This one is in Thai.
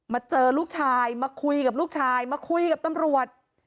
เจอลูกชายมาคุยกับลูกชายมาคุยกับตำรวจ